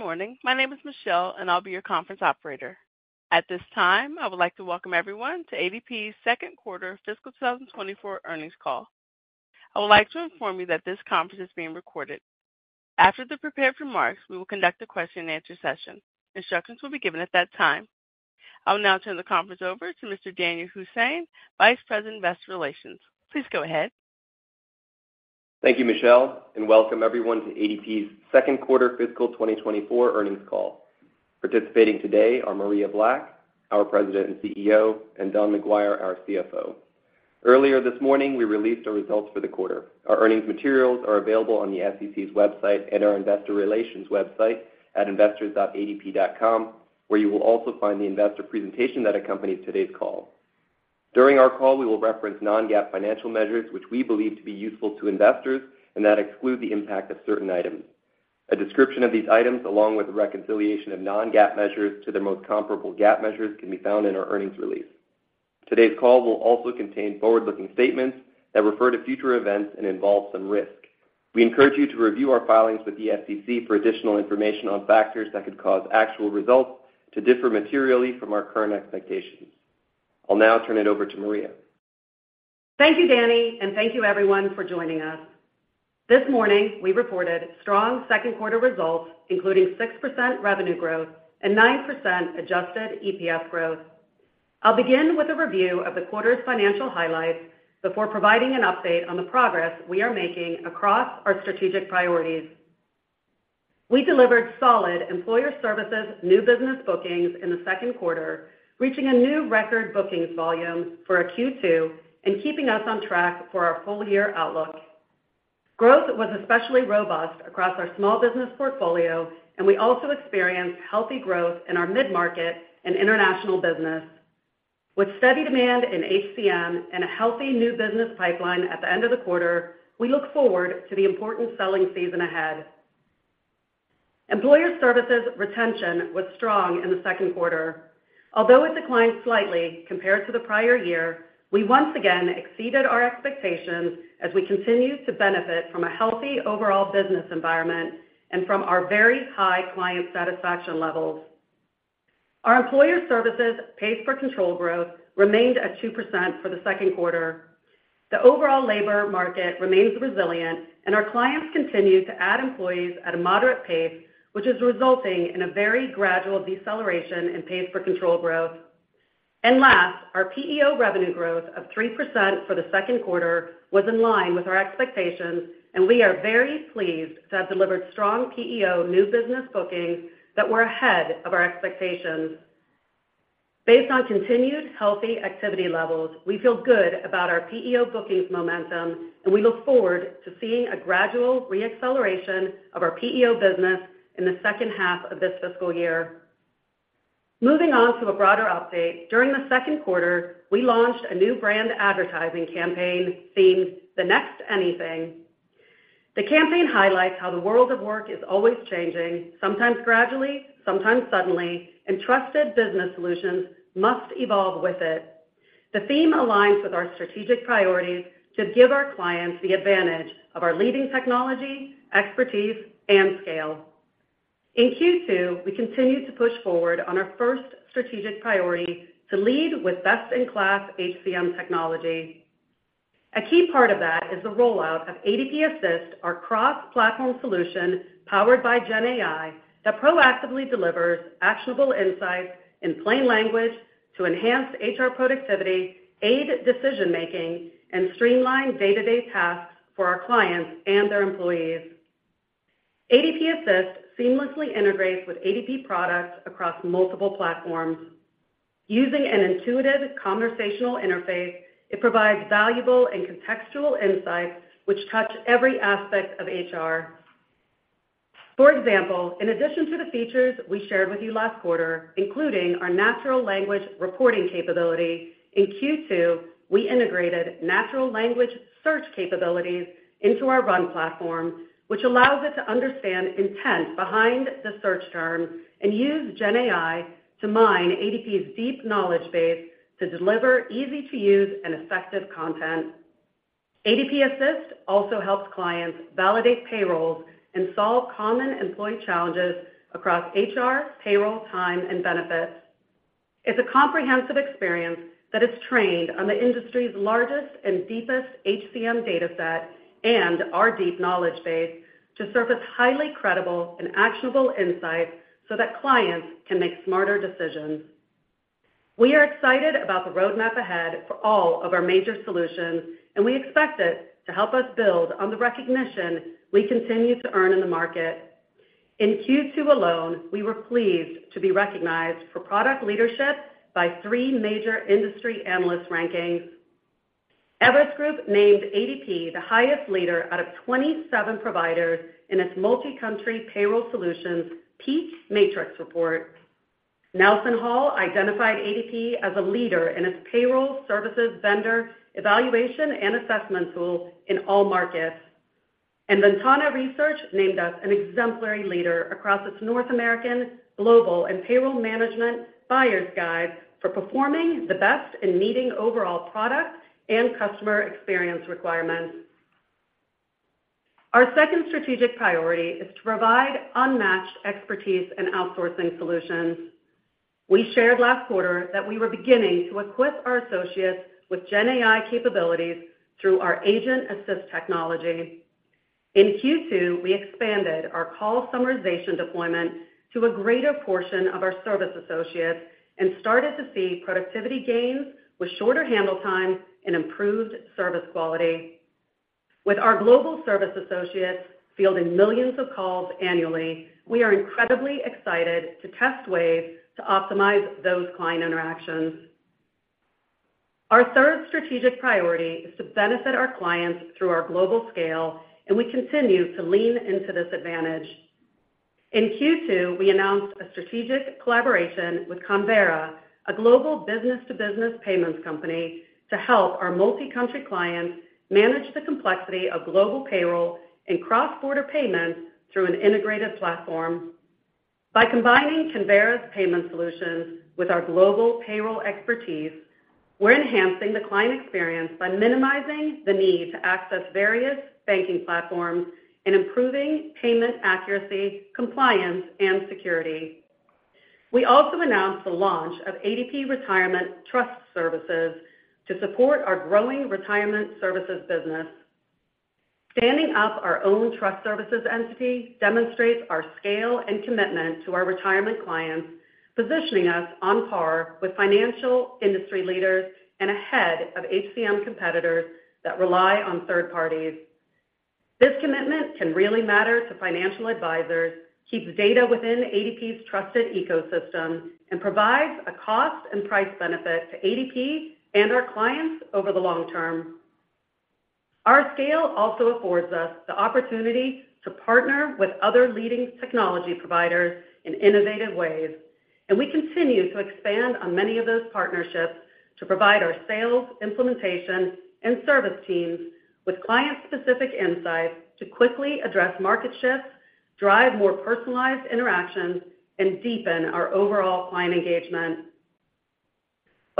Good morning. My name is Michelle, and I'll be your conference operator. At this time, I would like to welcome everyone to ADP's Second Quarter Fiscal 2024 Earnings Call. I would like to inform you that this conference is being recorded. After the prepared remarks, we will conduct a question-and-answer session. Instructions will be given at that time. I will now turn the conference over to Mr. Danyal Hussain, Vice President, Investor Relations. Please go ahead. Thank you, Michelle, and welcome everyone to ADP's Second Quarter Fiscal 2024 Earnings Call. Participating today are Maria Black, our President and CEO, and Don McGuire, our CFO. Earlier this morning, we released our results for the quarter. Our earnings materials are available on the SEC's website and our investor relations website at investors.adp.com, where you will also find the investor presentation that accompanies today's call. During our call, we will reference non-GAAP financial measures, which we believe to be useful to investors and that exclude the impact of certain items. A description of these items, along with the reconciliation of non-GAAP measures to their most comparable GAAP measures, can be found in our earnings release. Today's call will also contain forward-looking statements that refer to future events and involve some risks. We encourage you to review our filings with the SEC for additional information on factors that could cause actual results to differ materially from our current expectations. I'll now turn it over to Maria. Thank you, Danny, and thank you, everyone, for joining us. This morning, we reported strong second quarter results, including 6% revenue growth and 9% adjusted EPS growth. I'll begin with a review of the quarter's financial highlights before providing an update on the progress we are making across our strategic priorities. We delivered solid Employer Services new business bookings in the second quarter, reaching a new record bookings volume for a Q2 and keeping us on track for our full-year outlook. Growth was especially robust across our small business portfolio, and we also experienced healthy growth in our mid-market and international business. With steady demand in HCM and a healthy new business pipeline at the end of the quarter, we look forward to the important selling season ahead. Employer Services retention was strong in the second quarter. Although it declined slightly compared to the prior year, we once again exceeded our expectations as we continue to benefit from a healthy overall business environment and from our very high client satisfaction levels. Our Employer Services pays per control growth remained at 2% for the second quarter. The overall labor market remains resilient, and our clients continue to add employees at a moderate pace, which is resulting in a very gradual deceleration in pays per control growth. Last, our PEO revenue growth of 3% for the second quarter was in line with our expectations, and we are very pleased to have delivered strong PEO new business bookings that were ahead of our expectations. Based on continued healthy activity levels, we feel good about our PEO bookings momentum, and we look forward to seeing a gradual re-acceleration of our PEO business in the second half of this fiscal year. Moving on to a broader update, during the second quarter, we launched a new brand advertising campaign themed "The Next Anything." The campaign highlights how the world of work is always changing, sometimes gradually, sometimes suddenly, and trusted business solutions must evolve with it. The theme aligns with our strategic priorities to give our clients the advantage of our leading technology, expertise, and scale. In Q2, we continued to push forward on our first strategic priority to lead with best-in-class HCM technology. A key part of that is the rollout of ADP Assist, our cross-platform solution, powered by GenAI, that proactively delivers actionable insights in plain language to enhance HR productivity, aid decision-making, and streamline day-to-day tasks for our clients and their employees. ADP Assist seamlessly integrates with ADP products across multiple platforms. Using an intuitive conversational interface, it provides valuable and contextual insights which touch every aspect of HR. For example, in addition to the features we shared with you last quarter, including our natural language reporting capability, in Q2, we integrated natural language search capabilities into our RUN platform, which allows it to understand intent behind the search term and use GenAI to mine ADP's deep knowledge base to deliver easy-to-use and effective content. ADP Assist also helps clients validate payrolls and solve common employee challenges across HR, payroll, time, and benefits. It's a comprehensive experience that is trained on the industry's largest and deepest HCM dataset and our deep knowledge base to surface highly credible and actionable insights so that clients can make smarter decisions. We are excited about the roadmap ahead for all of our major solutions, and we expect it to help us build on the recognition we continue to earn in the market. In Q2 alone, we were pleased to be recognized for product leadership by three major industry analyst rankings. Everest Group named ADP the highest leader out of 27 providers in its Multi-Country Payroll Solutions PEAK Matrix report. NelsonHall identified ADP as a leader in its Payroll Services Vendor Evaluation and Assessment Tool in all markets. Ventana Research named us an exemplary leader across its North American, Global, and Payroll Management Buyer's Guide for performing the best in meeting overall product and customer experience requirements... Our second strategic priority is to provide unmatched expertise in outsourcing solutions. We shared last quarter that we were beginning to equip our associates with GenAI capabilities through our Agent Assist technology. In Q2, we expanded our call summarization deployment to a greater portion of our service associates and started to see productivity gains with shorter handle time and improved service quality. With our global service associates fielding millions of calls annually, we are incredibly excited to test ways to optimize those client interactions. Our third strategic priority is to benefit our clients through our global scale, and we continue to lean into this advantage. In Q2, we announced a strategic collaboration with Convera, a global business-to-business payments company, to help our multi-country clients manage the complexity of global payroll and cross-border payments through an integrated platform. By combining Convera’s payment solutions with our global payroll expertise, we’re enhancing the client experience by minimizing the need to access various banking platforms and improving payment accuracy, compliance, and security. We also announced the launch of ADP Retirement Trust Services to support our growing retirement services business. Standing up our own trust services entity demonstrates our scale and commitment to our retirement clients, positioning us on par with financial industry leaders and ahead of HCM competitors that rely on third parties. This commitment can really matter to financial advisors, keeps data within ADP’s trusted ecosystem, and provides a cost and price benefit to ADP and our clients over the long term. Our scale also affords us the opportunity to partner with other leading technology providers in innovative ways, and we continue to expand on many of those partnerships to provide our sales, implementation, and service teams with client-specific insights to quickly address market shifts, drive more personalized interactions, and deepen our overall client engagement.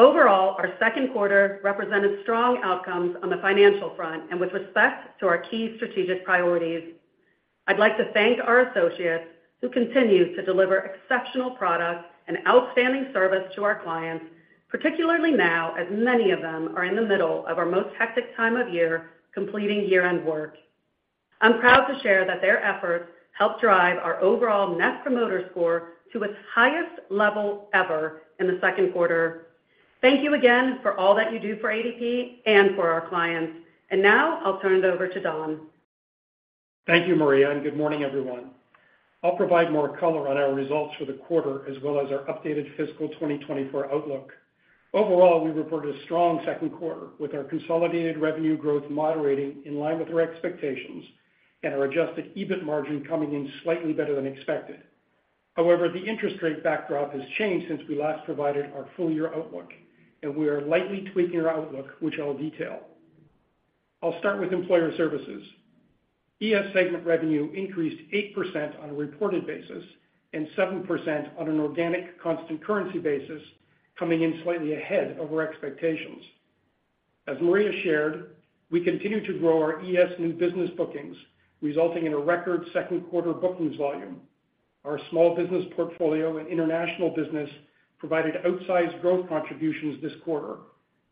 Overall, our second quarter represented strong outcomes on the financial front and with respect to our key strategic priorities. I'd like to thank our associates, who continue to deliver exceptional products and outstanding service to our clients, particularly now, as many of them are in the middle of our most hectic time of year, completing year-end work. I'm proud to share that their efforts helped drive our overall Net Promoter Score to its highest level ever in the second quarter. Thank you again for all that you do for ADP and for our clients. Now I'll turn it over to Don. Thank you, Maria, and good morning, everyone. I'll provide more color on our results for the quarter, as well as our updated fiscal 2024 outlook. Overall, we reported a strong second quarter, with our consolidated revenue growth moderating in line with our expectations and our adjusted EBIT margin coming in slightly better than expected. However, the interest rate backdrop has changed since we last provided our full-year outlook, and we are lightly tweaking our outlook, which I'll detail. I'll start with Employer Services. ES segment revenue increased 8% on a reported basis and 7% on an organic constant currency basis, coming in slightly ahead of our expectations. As Maria shared, we continue to grow our ES new business bookings, resulting in a record second quarter bookings volume. Our small business portfolio and international business provided outsized growth contributions this quarter,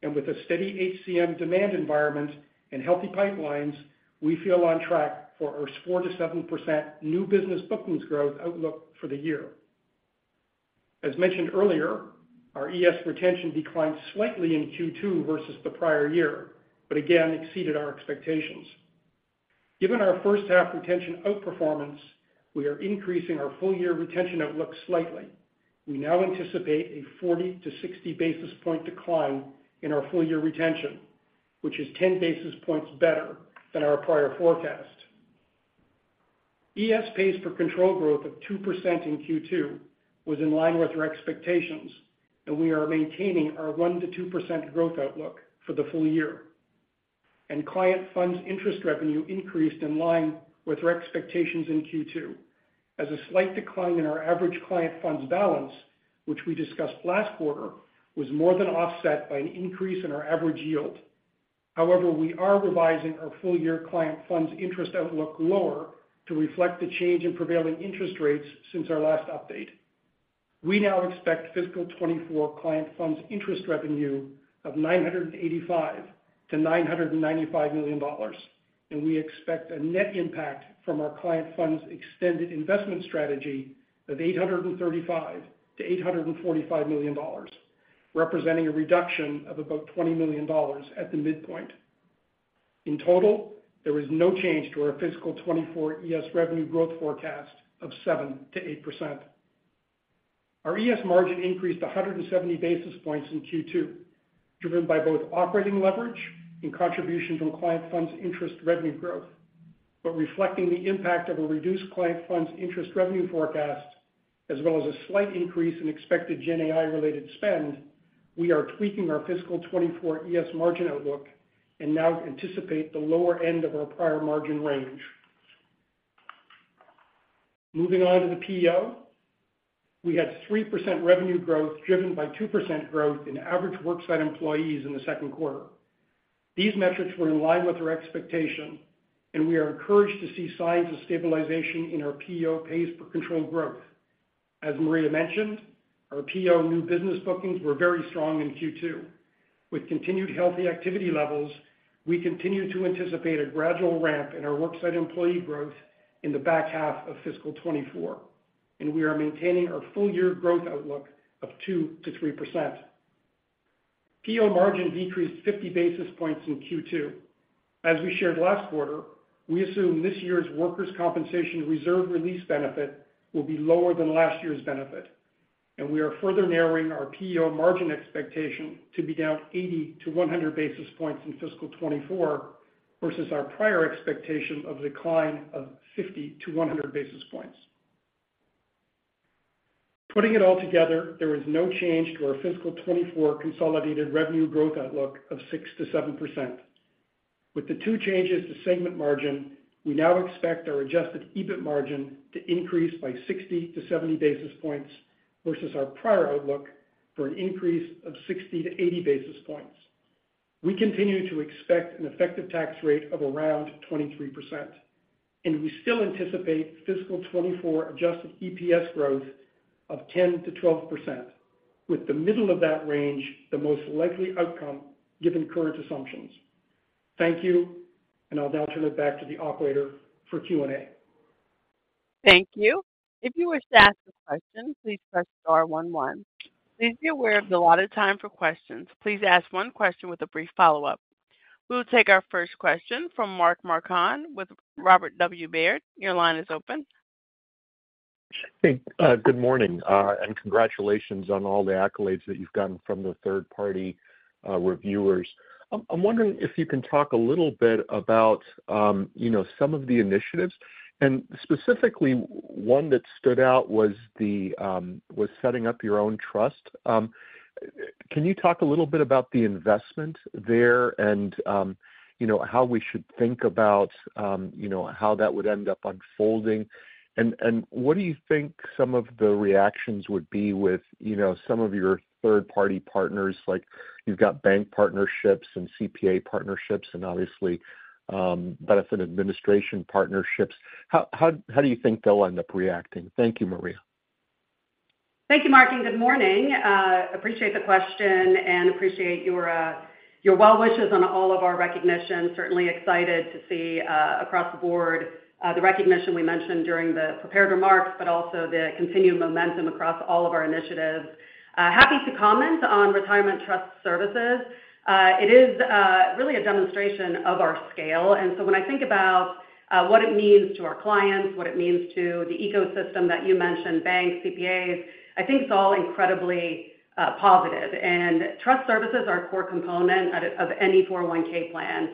and with a steady HCM demand environment and healthy pipelines, we feel on track for our 4%-7% new business bookings growth outlook for the year. As mentioned earlier, our ES retention declined slightly in Q2 versus the prior year, but again exceeded our expectations. Given our first half retention outperformance, we are increasing our full-year retention outlook slightly. We now anticipate a 40-60 basis point decline in our full-year retention, which is 10 basis points better than our prior forecast. ES pays per control growth of 2% in Q2 was in line with our expectations, and we are maintaining our 1%-2% growth outlook for the full year. Client funds interest revenue increased in line with our expectations in Q2, as a slight decline in our average client funds balance, which we discussed last quarter, was more than offset by an increase in our average yield. However, we are revising our full-year client funds interest outlook lower to reflect the change in prevailing interest rates since our last update. We now expect fiscal 2024 client funds interest revenue of $985 million-$995 million, and we expect a net impact from our client funds extended investment strategy of $835 million-$845 million, representing a reduction of about $20 million at the midpoint. In total, there was no change to our fiscal 2024 ES revenue growth forecast of 7%-8%. Our ES margin increased 170 basis points in Q2, driven by both operating leverage and contribution from client funds interest revenue growth. But reflecting the impact of a reduced client funds interest revenue forecast, as well as a slight increase in expected GenAI-related spend, we are tweaking our fiscal 2024 ES margin outlook and now anticipate the lower end of our prior margin range. Moving on to the PEO. We had 3% revenue growth, driven by 2% growth in average worksite employees in the second quarter. These metrics were in line with our expectation, and we are encouraged to see signs of stabilization in our PEO pace for controlled growth. As Maria mentioned, our PEO new business bookings were very strong in Q2. With continued healthy activity levels, we continue to anticipate a gradual ramp in our worksite employee growth in the back half of fiscal 2024, and we are maintaining our full-year growth outlook of 2%-3%. PEO margin decreased 50 basis points in Q2. As we shared last quarter, we assume this year's workers' compensation reserve release benefit will be lower than last year's benefit, and we are further narrowing our PEO margin expectation to be down 80-100 basis points in fiscal 2024, versus our prior expectation of decline of 50-100 basis points. Putting it all together, there is no change to our fiscal 2024 consolidated revenue growth outlook of 6%-7%. With the two changes to segment margin, we now expect our adjusted EBIT margin to increase by 60-70 basis points versus our prior outlook for an increase of 60-80 basis points. We continue to expect an effective tax rate of around 23%, and we still anticipate fiscal 2024 adjusted EPS growth of 10%-12%, with the middle of that range the most likely outcome given current assumptions. Thank you, and I'll now turn it back to the operator for Q&A. Thank you. If you wish to ask a question, please press star one, one. Please be aware of the allotted time for questions. Please ask one question with a brief follow-up. We will take our first question from Mark Marcon with Robert W. Baird. Your line is open. Hey, good morning, and congratulations on all the accolades that you've gotten from the third-party reviewers. I'm wondering if you can talk a little bit about, you know, some of the initiatives, and specifically, one that stood out was setting up your own trust. Can you talk a little bit about the investment there and, you know, how we should think about, you know, how that would end up unfolding? And, what do you think some of the reactions would be with, you know, some of your third-party partners, like you've got bank partnerships and CPA partnerships and obviously, benefit administration partnerships. How do you think they'll end up reacting? Thank you, Maria. Thank you, Mark, and good morning. Appreciate the question and appreciate your, your well wishes on all of our recognition. Certainly excited to see, across the board, the recognition we mentioned during the prepared remarks, but also the continued momentum across all of our initiatives. Happy to comment on Retirement Trust Services. It is, really a demonstration of our scale. And so when I think about, what it means to our clients, what it means to the ecosystem that you mentioned, banks, CPAs, I think it's all incredibly, positive. And trust services are a core component of, any 401(k) plan.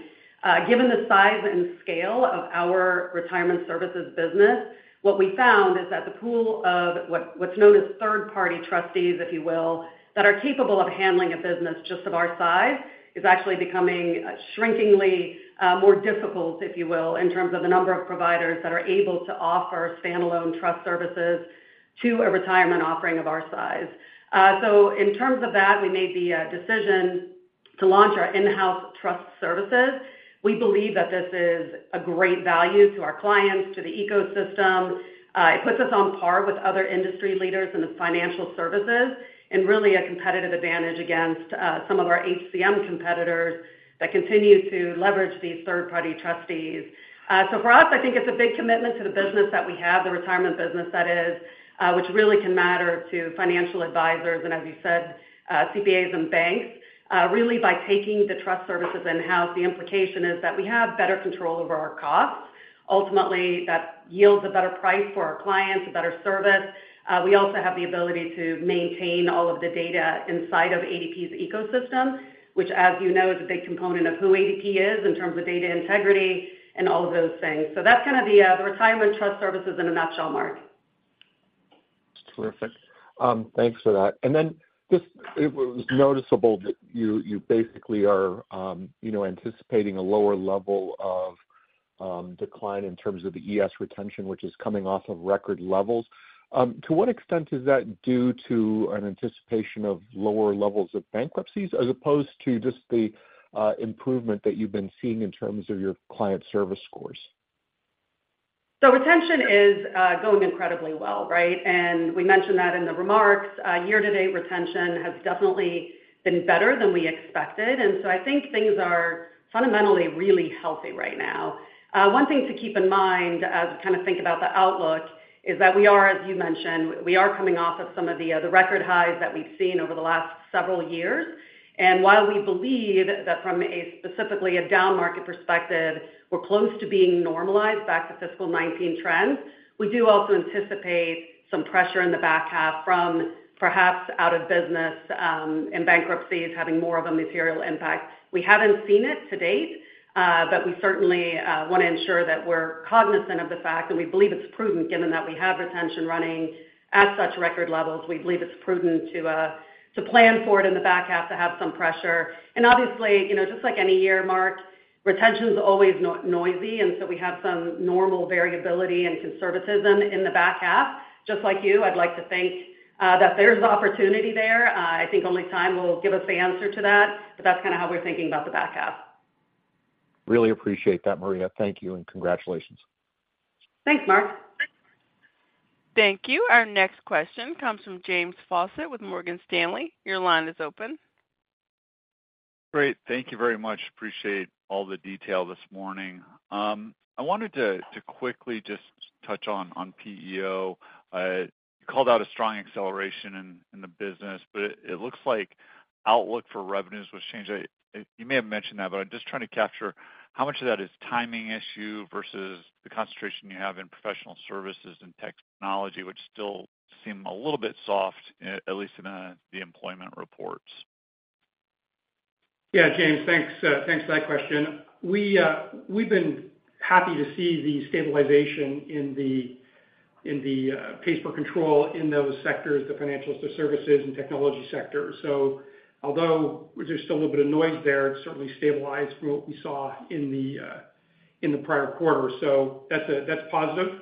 Given the size and scale of our retirement services business, what we found is that the pool of what's known as third-party trustees, if you will, that are capable of handling a business just of our size, is actually becoming shrinkingly more difficult, if you will, in terms of the number of providers that are able to offer standalone trust services to a retirement offering of our size. So in terms of that, we made the decision to launch our in-house trust services. We believe that this is a great value to our clients, to the ecosystem. It puts us on par with other industry leaders in the financial services and really a competitive advantage against some of our HCM competitors that continue to leverage these third-party trustees. So for us, I think it's a big commitment to the business that we have, the retirement business that is, which really can matter to financial advisors and as you said, CPAs and banks. Really, by taking the trust services in-house, the implication is that we have better control over our costs. Ultimately, that yields a better price for our clients, a better service. We also have the ability to maintain all of the data inside of ADP's ecosystem, which, as you know, is a big component of who ADP is in terms of data integrity and all of those things. So that's kind of the Retirement Trust Services in a nutshell, Mark. Terrific. Thanks for that. And then just it was noticeable that you, you basically are, you know, anticipating a lower level of decline in terms of the ES retention, which is coming off of record levels. To what extent is that due to an anticipation of lower levels of bankruptcies, as opposed to just the improvement that you've been seeing in terms of your client service scores? So retention is going incredibly well, right? We mentioned that in the remarks. Year-to-date retention has definitely been better than we expected, and so I think things are fundamentally really healthy right now. One thing to keep in mind as we kind of think about the outlook is that we are, as you mentioned, we are coming off of some of the, the record highs that we've seen over the last several years. And while we believe that from a specifically a down market perspective, we're close to being normalized back to fiscal 2019 trends, we do also anticipate some pressure in the back half from perhaps out of business, and bankruptcies having more of a material impact. We haven't seen it to date, but we certainly want to ensure that we're cognizant of the fact, and we believe it's prudent, given that we have retention running at such record levels. We believe it's prudent to plan for it in the back half to have some pressure. And obviously, you know, just like any year, Mark, retention is always noisy, and so we have some normal variability and conservatism in the back half. Just like you, I'd like to think that there's opportunity there. I think only time will give us the answer to that, but that's kind of how we're thinking about the back half. Really appreciate that, Maria. Thank you, and congratulations. Thanks, Mark. Thank you. Our next question comes from James Faucette with Morgan Stanley. Your line is open. Great. Thank you very much. Appreciate all the detail this morning. I wanted to quickly just touch on PEO. You called out a strong acceleration in the business, but it looks like outlook for revenues was changed. You may have mentioned that, but I'm just trying to capture how much of that is timing issue versus the concentration you have in professional services and technology, which still seem a little bit soft, at least in the employment reports. Yeah, James, thanks, thanks for that question. We've been happy to see the stabilization in the, in the pays per control in those sectors, the financial services and technology sector. So although there's still a little bit of noise there, it's certainly stabilized from what we saw in the, in the prior quarter. So that's positive.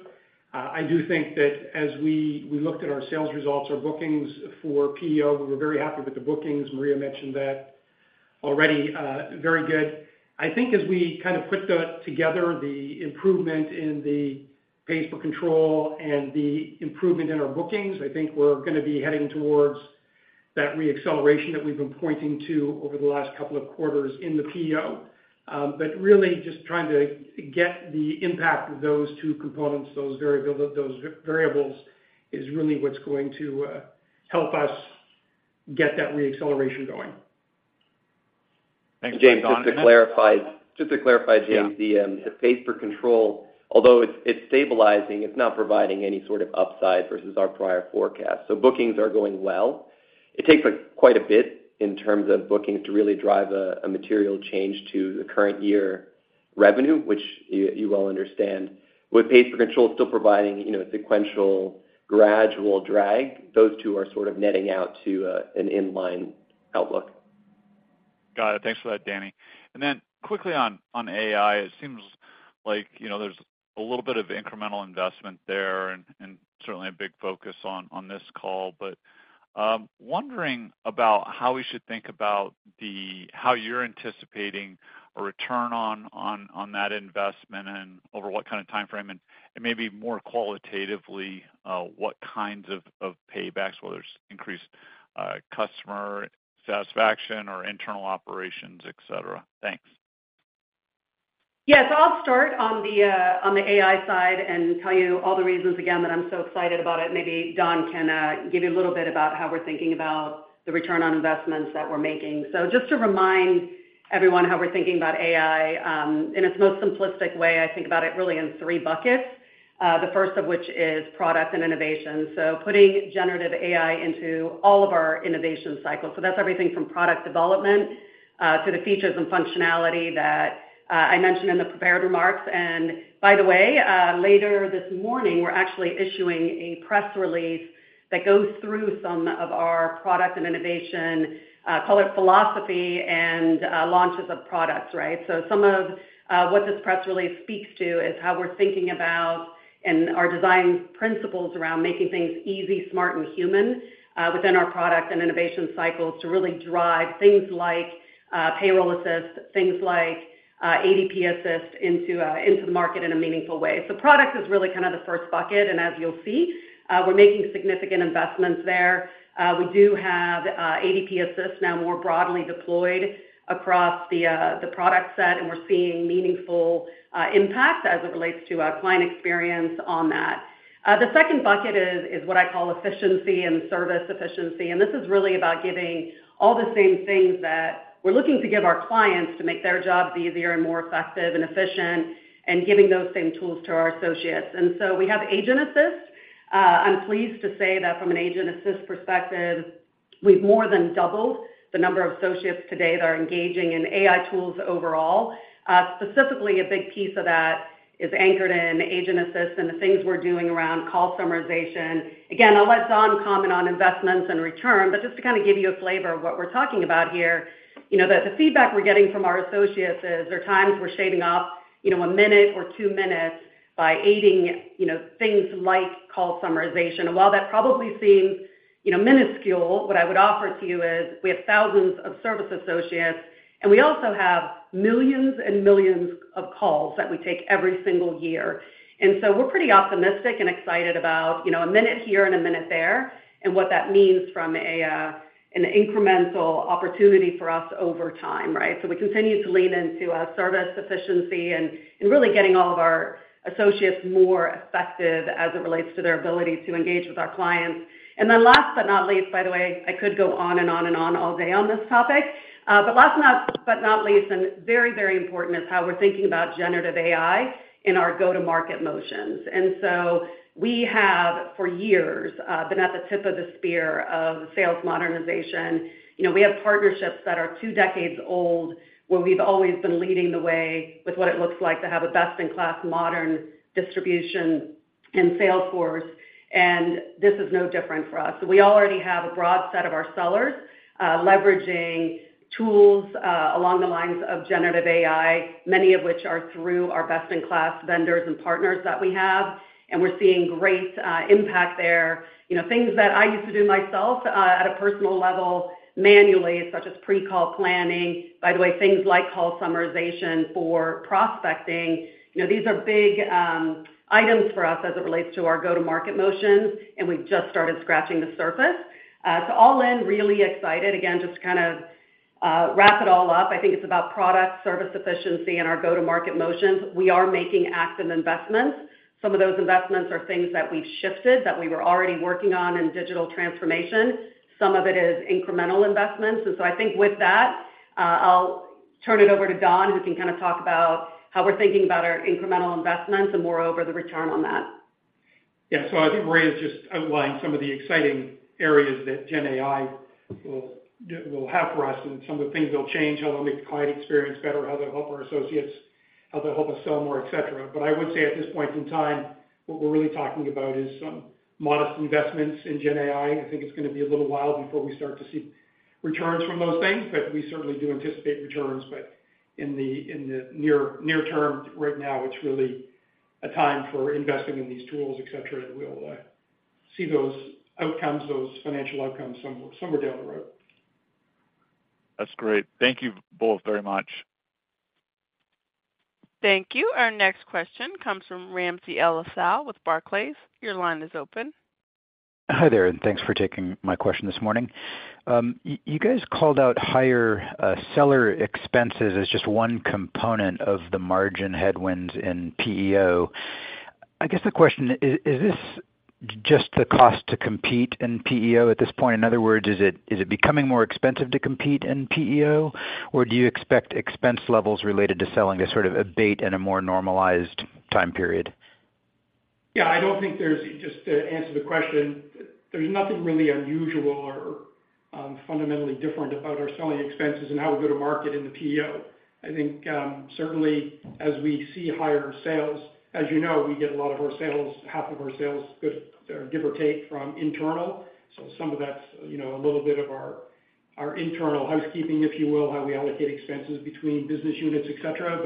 I do think that as we looked at our sales results, our bookings for PEO, we were very happy with the bookings. Maria mentioned that already, very good. I think as we kind of put together the improvement in the pays per control and the improvement in our bookings, I think we're going to be heading towards that reacceleration that we've been pointing to over the last couple of quarters in the PEO. But really just trying to get the impact of those two components, those variable, those variables, is really what's going to help us get that reacceleration going. Thanks for that, Don. James, just to clarify, James- Yeah. The pays per control, although it's stabilizing, it's not providing any sort of upside versus our prior forecast. So bookings are going well. It takes quite a bit in terms of bookings to really drive a material change to the current year revenue, which you well understand. With pays per control still providing, you know, a sequential gradual drag, those two are sort of netting out to an in-line outlook. Got it. Thanks for that, Danny. And then quickly on AI, it seems like, you know, there's a little bit of incremental investment there and certainly a big focus on this call. But wondering about how we should think about the... how you're anticipating a return on that investment and over what kind of time frame, and maybe more qualitatively, what kinds of paybacks, whether it's increased customer satisfaction or internal operations, et cetera? Thanks. Yes, I'll start on the AI side and tell you all the reasons again that I'm so excited about it. Maybe Don can give you a little bit about how we're thinking about the return on investments that we're making. So just to remind everyone how we're thinking about AI in its most simplistic way, I think about it really in three buckets. The first of which is product and innovation. So putting generative AI into all of our innovation cycles. So that's everything from product development to the features and functionality that I mentioned in the prepared remarks. And by the way, later this morning, we're actually issuing a press release that goes through some of our product and innovation call it philosophy and launches of products, right? So some of what this press release speaks to is how we're thinking about and our design principles around making things easy, smart, and human within our product and innovation cycles to really drive things like Payroll Assist, things like ADP Assist into the market in a meaningful way. So product is really kind of the first bucket, and as you'll see, we're making significant investments there. We do have ADP Assist now more broadly deployed across the product set, and we're seeing meaningful impact as it relates to our client experience on that. The second bucket is what I call efficiency and service efficiency. This is really about giving all the same things that we're looking to give our clients to make their jobs easier and more effective and efficient, and giving those same tools to our associates. So we have Agent Assist. I'm pleased to say that from an Agent Assist perspective, we've more than doubled the number of associates today that are engaging in AI tools overall. Specifically, a big piece of that is anchored in Agent Assist and the things we're doing around call summarization. Again, I'll let Don comment on investments and return, but just to kind of give you a flavor of what we're talking about here, you know, that the feedback we're getting from our associates is there are times we're shaving off, you know, a minute or two minutes by aiding, you know, things like call summarization. And while that probably seems, you know, minuscule, what I would offer to you is we have thousands of service associates, and we also have millions and millions of calls that we take every single year. And so we're pretty optimistic and excited about, you know, a minute here and a minute there, and what that means from an incremental opportunity for us over time, right? So we continue to lean into service efficiency and really getting all of our associates more effective as it relates to their ability to engage with our clients. And then last but not least, by the way, I could go on and on and on all day on this topic, but last but not least, and very, very important, is how we're thinking about generative AI in our go-to-market motions. And so we have, for years, been at the tip of the spear of sales modernization. You know, we have partnerships that are two decades old, where we've always been leading the way with what it looks like to have a best-in-class modern distribution, and sales force, and this is no different for us. We already have a broad set of our sellers, leveraging tools, along the lines of generative AI, many of which are through our best-in-class vendors and partners that we have, and we're seeing great impact there. You know, things that I used to do myself, at a personal level, manually, such as pre-call planning, by the way, things like call summarization for prospecting. You know, these are big items for us as it relates to our go-to-market motions, and we've just started scratching the surface. So all in, really excited. Again, just to kind of wrap it all up, I think it's about product, service efficiency, and our go-to-market motions. We are making active investments. Some of those investments are things that we've shifted, that we were already working on in digital transformation. Some of it is incremental investments. And so I think with that, I'll turn it over to Don, who can kind of talk about how we're thinking about our incremental investments and moreover, the return on that. Yeah. So I think Maria has just outlined some of the exciting areas that GenAI will have for us and some of the things that'll change, how they'll make the client experience better, how they'll help our associates, how they'll help us sell more, et cetera. But I would say at this point in time, what we're really talking about is some modest investments in GenAI. I think it's gonna be a little while before we start to see returns from those things, but we certainly do anticipate returns. But in the near term, right now, it's really a time for investing in these tools, et cetera, and we'll see those outcomes, those financial outcomes, somewhere down the road. That's great. Thank you both very much. Thank you. Our next question comes from Ramsey El-Assal with Barclays. Your line is open. Hi there, and thanks for taking my question this morning. You guys called out higher seller expenses as just one component of the margin headwinds in PEO. I guess the question is this just the cost to compete in PEO at this point? In other words, is it becoming more expensive to compete in PEO, or do you expect expense levels related to selling to sort of abate in a more normalized time period? Yeah, I don't think there's... Just to answer the question, there's nothing really unusual or fundamentally different about our selling expenses and how we go to market in the PEO. I think certainly as we see higher sales, as you know, we get a lot of our sales, half of our sales, give or take, from internal. So some of that's, you know, a little bit of our internal housekeeping, if you will, how we allocate expenses between business units, et cetera.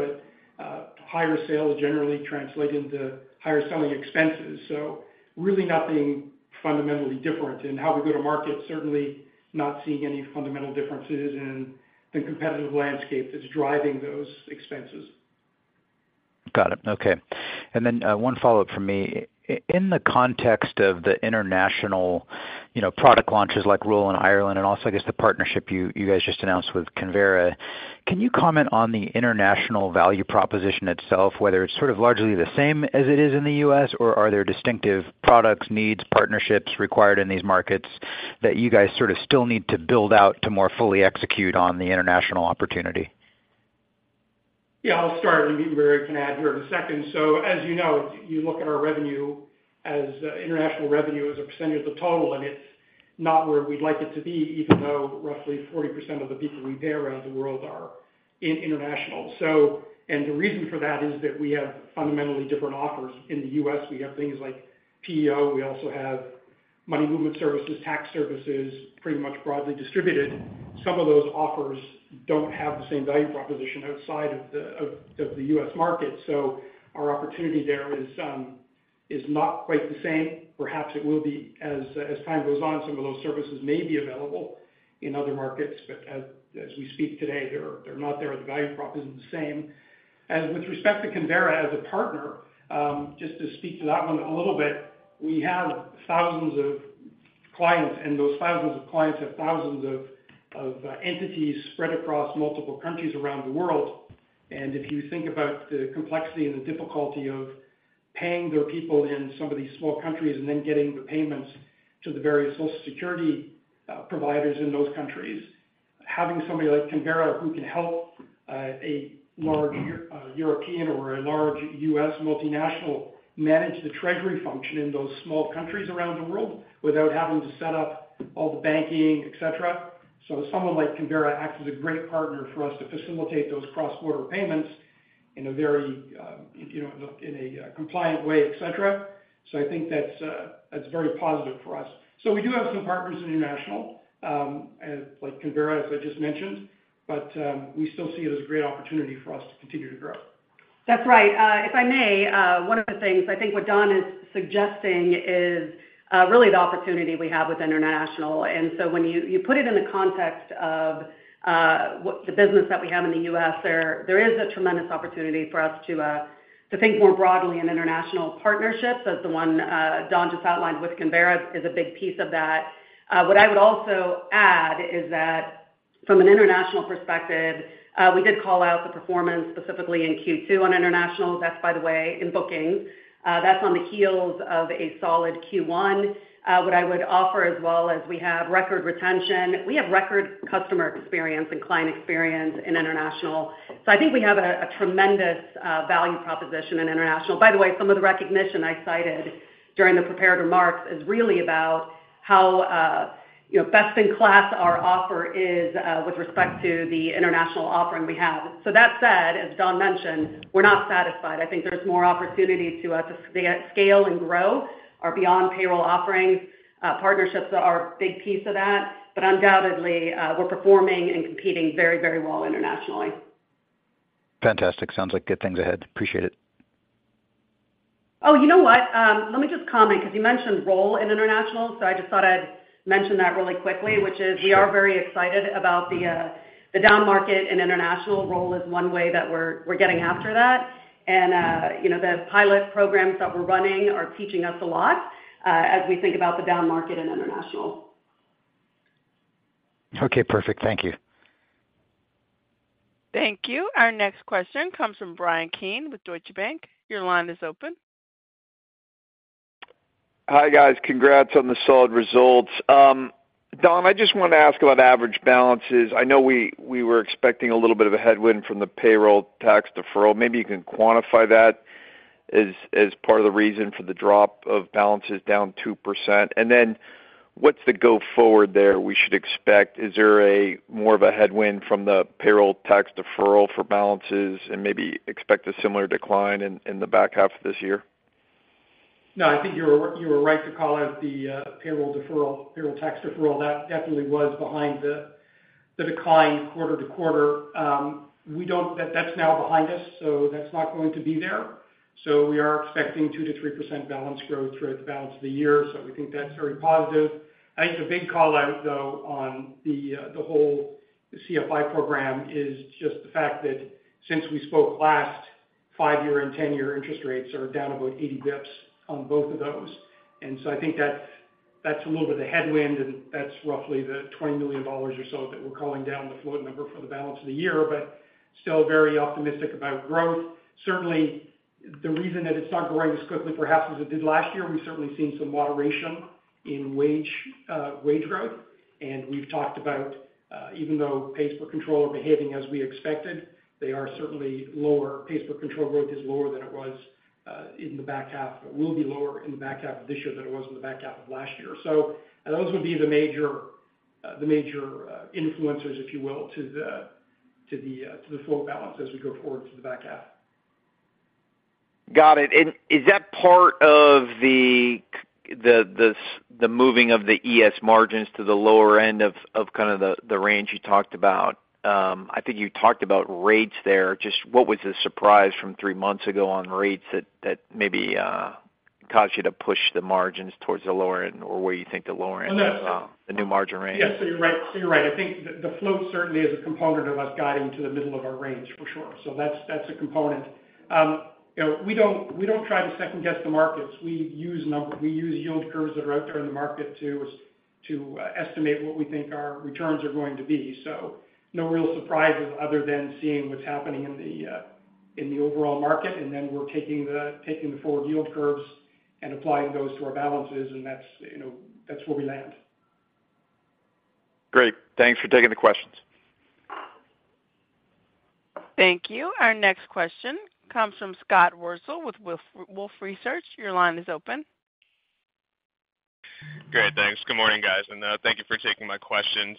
But higher sales generally translate into higher selling expenses. So really nothing fundamentally different in how we go to market. Certainly not seeing any fundamental differences in the competitive landscape that's driving those expenses. Got it. Okay. And then, one follow-up from me. In the context of the international, you know, product launches like RUN in Ireland, and also, I guess, the partnership you, you guys just announced with Convera, can you comment on the international value proposition itself, whether it's sort of largely the same as it is in the U.S., or are there distinctive products, needs, partnerships required in these markets that you guys sort of still need to build out to more fully execute on the international opportunity? Yeah, I'll start, and Maria can add here in a second. So as you know, you look at our revenue as international revenue as a percentage of the total, and it's not where we'd like it to be, even though roughly 40% of the people we pay around the world are in international. And the reason for that is that we have fundamentally different offers. In the U.S., we have things like PEO, we also have money movement services, tax services, pretty much broadly distributed. Some of those offers don't have the same value proposition outside of the U.S. market. So our opportunity there is not quite the same. Perhaps it will be as time goes on, some of those services may be available in other markets, but as we speak today, they're not there, or the value prop isn't the same. As with respect to Convera as a partner, just to speak to that one a little bit, we have thousands of clients, and those thousands of clients have thousands of entities spread across multiple countries around the world. And if you think about the complexity and the difficulty of paying their people in some of these small countries and then getting the payments to the various social security providers in those countries, having somebody like Convera, who can help a large European or a large U.S. multinational manage the treasury function in those small countries around the world without having to set up all the banking, et cetera. So someone like Convera acts as a great partner for us to facilitate those cross-border payments in a very, you know, in a, compliant way, et cetera. So I think that's, that's very positive for us. So we do have some partners in international, like Convera, as I just mentioned, but, we still see it as a great opportunity for us to continue to grow. That's right. If I may, one of the things, I think what Don is suggesting is, really the opportunity we have with international. And so when you put it in the context of, what the business that we have in the U.S., there is a tremendous opportunity for us to think more broadly in international partnerships, as the one Don just outlined with Convera is a big piece of that. What I would also add is that from an international perspective, we did call out the performance specifically in Q2 on international. That's, by the way, in bookings. That's on the heels of a solid Q1. What I would offer as well is, we have record retention. We have record customer experience and client experience in international. So I think we have a tremendous value proposition in international. By the way, some of the recognition I cited during the prepared remarks is really about how you know, best in class our offer is with respect to the international offering we have. So that said, as Don mentioned, we're not satisfied. I think there's more opportunity to scale and grow our beyond payroll offerings. Partnerships are a big piece of that, but undoubtedly, we're performing and competing very, very well internationally. Fantastic. Sounds like good things ahead. Appreciate it. Oh, you know what? Let me just comment, because you mentioned RUN in international, so I just thought I'd mention that really quickly, which is we are very excited about the down market and international. RUN is one way that we're getting after that. And you know, the pilot programs that we're running are teaching us a lot as we think about the down market and international. Okay, perfect. Thank you. Thank you. Our next question comes from Bryan Keane with Deutsche Bank. Your line is open. Hi, guys. Congrats on the solid results. Don, I just wanted to ask about average balances. I know we were expecting a little bit of a headwind from the payroll tax deferral. Maybe you can quantify that as part of the reason for the drop of balances down 2%. And then what's the go forward there we should expect? Is there more of a headwind from the payroll tax deferral for balances and maybe expect a similar decline in the back half of this year? No, I think you were right to call out the payroll deferral, payroll tax deferral. That definitely was behind the quarter-to-quarter decline. That's now behind us, so that's not going to be there. We are expecting 2%-3% balance growth throughout the balance of the year, so we think that's very positive. I think the big callout, though, on the whole CFI program is just the fact that since we spoke last, 5-year and 10-year interest rates are down about 80 basis points on both of those. And so I think that's a little bit of headwind, and that's roughly the $20 million or so that we're calling down the float number for the balance of the year, but still very optimistic about growth. Certainly, the reason that it's not growing as quickly, perhaps as it did last year, we've certainly seen some moderation in wage growth. And we've talked about, even though pays per control are behaving as we expected, they are certainly lower. Pays per control growth is lower than it was in the back half, will be lower in the back half of this year than it was in the back half of last year. So those would be the major influencers, if you will, to the float balance as we go forward to the back half. Got it. And is that part of the moving of the ES margins to the lower end of kind of the range you talked about? I think you talked about rates there. Just what was the surprise from three months ago on rates that maybe caused you to push the margins towards the lower end or where you think the lower end- No. The new margin range? Yes, so you're right, so you're right. I think the float certainly is a component of us guiding to the middle of our range, for sure. So that's a component. You know, we don't try to second guess the markets. We use yield curves that are out there in the market to estimate what we think our returns are going to be. So no real surprises other than seeing what's happening in the overall market, and then we're taking the forward yield curves and applying those to our balances, and that's, you know, that's where we land. Great. Thanks for taking the questions. Thank you. Our next question comes from Scott Wurtzel with Wolfe Research. Your line is open. Great, thanks. Good morning, guys, and thank you for taking my questions.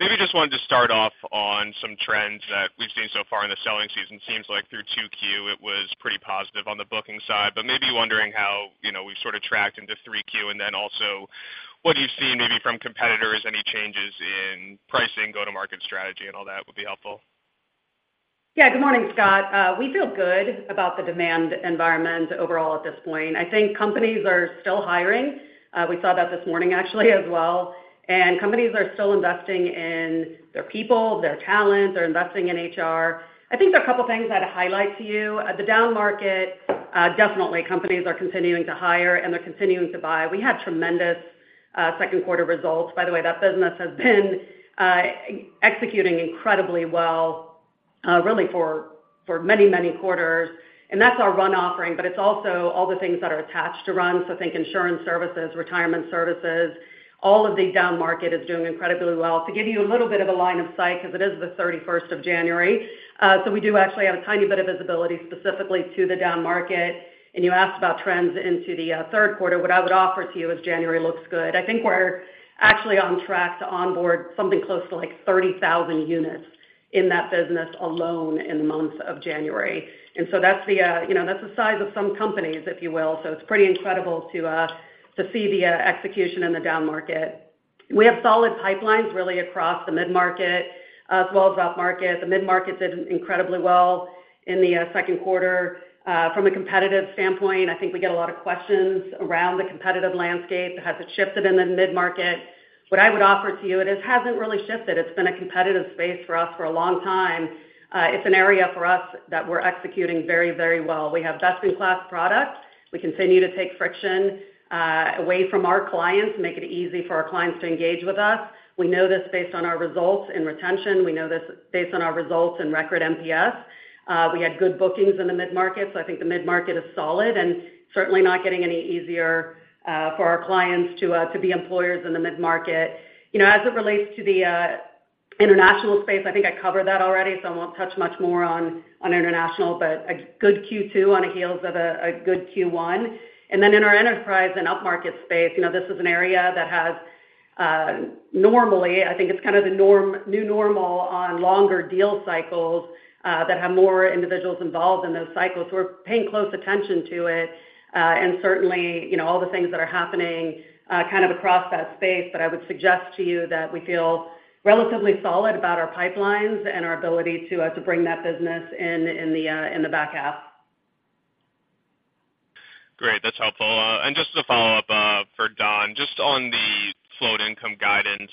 Maybe just wanted to start off on some trends that we've seen so far in the selling season. Seems like through 2Q, it was pretty positive on the booking side, but maybe wondering how, you know, we've sort of tracked into 3Q, and then also, what do you see maybe from competitors, any changes in pricing, go-to-market strategy, and all that would be helpful. Yeah, good morning, Scott. We feel good about the demand environment overall at this point. I think companies are still hiring. We saw that this morning actually as well. Companies are still investing in their people, their talent, they're investing in HR. I think there are a couple of things I'd highlight to you. The downmarket, definitely companies are continuing to hire and they're continuing to buy. We had tremendous, second quarter results. By the way, that business has been, executing incredibly well, really for, for many, many quarters. And that's our RUN offering, but it's also all the things that are attached to RUN. So think insurance services, retirement services, all of the downmarket is doing incredibly well. To give you a little bit of a line of sight, because it is the 31st of January, so we do actually have a tiny bit of visibility specifically to the downmarket. And you asked about trends into the, third quarter. What I would offer to you is January looks good. I think we're actually on track to onboard something close to like 30,000 units in that business alone in the month of January. And so that's the, you know, that's the size of some companies, if you will. So it's pretty incredible to see the execution in the downmarket. We have solid pipelines, really across the mid-market, as well as upmarket. The mid-market did incredibly well in the second quarter. From a competitive standpoint, I think we get a lot of questions around the competitive landscape. Has it shifted in the mid-market? What I would offer to you, it hasn't really shifted. It's been a competitive space for us for a long time. It's an area for us that we're executing very, very well. We have best-in-class products. We continue to take friction away from our clients, make it easy for our clients to engage with us. We know this based on our results in retention. We know this based on our results in record NPS. We had good bookings in the mid-market, so I think the mid-market is solid and certainly not getting any easier for our clients to be employers in the mid-market. You know, as it relates to the international space, I think I covered that already, so I won't touch much more on international, but a good Q2 on the heels of a good Q1. And then in our enterprise and upmarket space, you know, this is an area that has normally, I think it's kind of the norm - new normal on longer deal cycles that have more individuals involved in those cycles. We're paying close attention to it, and certainly, you know, all the things that are happening kind of across that space. But I would suggest to you that we feel relatively solid about our pipelines and our ability to bring that business in the back half. Great, that's helpful. And just as a follow-up, for Don, just on the float income guidance,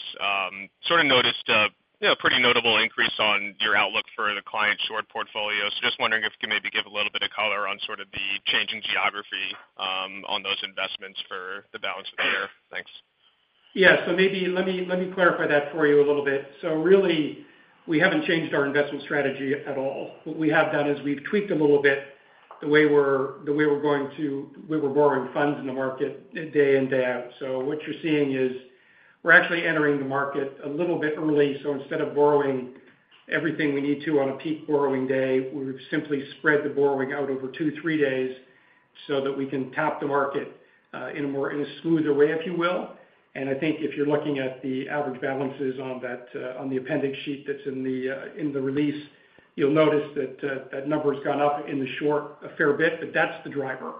sort of noticed, you know, pretty notable increase on your outlook for the Client Short portfolio. So just wondering if you could maybe give a little bit of color on sort of the changing geography, on those investments for the balance of the year. Thanks. Yeah. So maybe let me let me clarify that for you a little bit. So really, we haven't changed our investment strategy at all. What we have done is we've tweaked a little bit the way we're, the way we're going to. We were borrowing funds in the market day in, day out. So what you're seeing is we're actually entering the market a little bit early. So instead of borrowing everything we need to on a peak borrowing day, we've simply spread the borrowing out over two, three days so that we can tap the market in a more, in a smoother way, if you will. I think if you're looking at the average balances on that, on the appendix sheet that's in the release, you'll notice that that number's gone up in the short a fair bit, but that's the driver.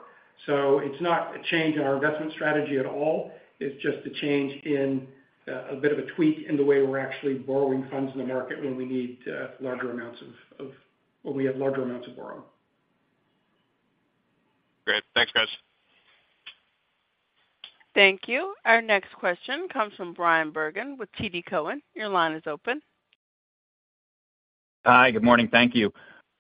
So it's not a change in our investment strategy at all. It's just a change in, a bit of a tweak in the way we're actually borrowing funds in the market when we need larger amounts of. When we have larger amounts of borrow. Great. Thanks, guys. Thank you. Our next question comes from Bryan Bergin with TD Cowen. Your line is open. Hi, good morning. Thank you.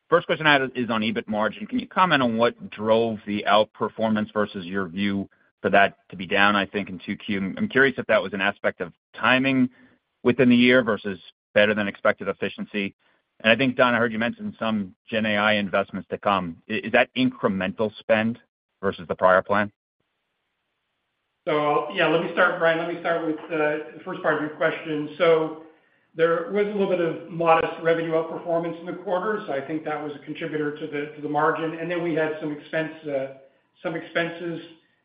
First question I had is on EBIT margin. Can you comment on what drove the outperformance versus your view for that to be down, I think, in 2Q? I'm curious if that was an aspect of timing within the year versus better-than-expected efficiency. And I think, Don, I heard you mention some GenAI investments to come. Is that incremental spend versus the prior plan? So yeah, let me start, Bryan, let me start with the first part of your question. So there was a little bit of modest revenue outperformance in the quarter, so I think that was a contributor to the margin. And then we had some expense, some expenses.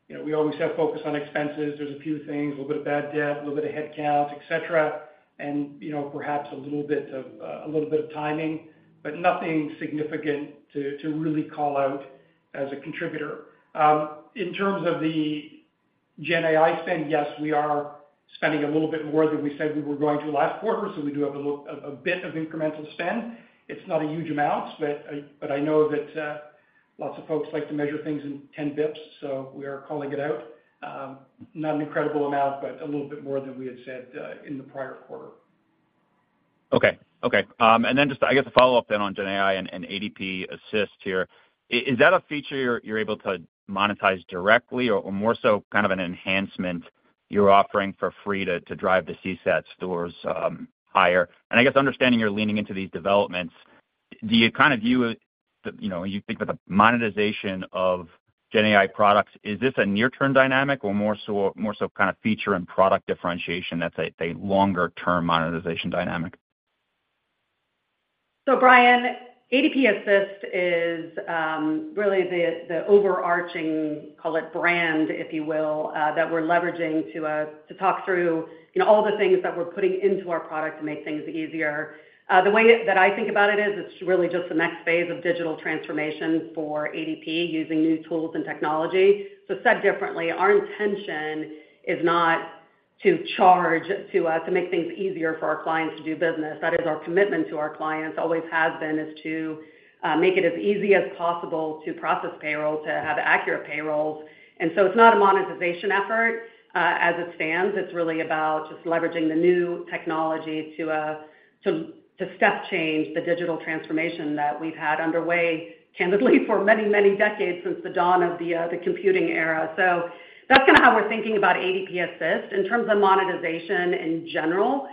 You know, we always have focus on expenses. There's a few things, a little bit of bad debt, a little bit of headcount, et cetera, and, you know, perhaps a little bit of a little bit of timing, but nothing significant to really call out as a contributor. In terms of the GenAI spend, yes, we are spending a little bit more than we said we were going to last quarter, so we do have a little, a bit of incremental spend. It's not a huge amount, but I know that lots of folks like to measure things in 10 bips, so we are calling it out. Not an incredible amount, but a little bit more than we had said in the prior quarter. Okay. Okay, and then just, I guess, a follow-up then on GenAI and, and ADP Assist here. Is that a feature you're, you're able to monetize directly or, or more so kind of an enhancement you're offering for free to, to drive the C-SAT scores, higher? And I guess understanding you're leaning into these developments, do you kind of view it, you know, you think that the monetization of GenAI products, is this a near-term dynamic or more so, more so kind of feature and product differentiation that's a, a longer-term monetization dynamic? So Bryan, ADP Assist is really the overarching, call it brand, if you will, that we're leveraging to talk through, you know, all the things that we're putting into our product to make things easier. The way that I think about it is it's really just the next phase of digital transformation for ADP, using new tools and technology. So said differently, our intention is not to charge to make things easier for our clients to do business. That is our commitment to our clients, always has been, is to make it as easy as possible to process payroll, to have accurate payrolls. And so it's not a monetization effort, as it stands. It's really about just leveraging the new technology to step change the digital transformation that we've had underway, candidly, for many, many decades since the dawn of the computing era. So that's kind of how we're thinking about ADP Assist. In terms of monetization in general,